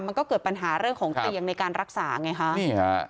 มันก็เกิดปัญหาเรื่องของเตียงในการรักษาไงฮะนี่ฮะ